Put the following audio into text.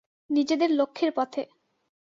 নিজেদের লক্ষ্যের পথে।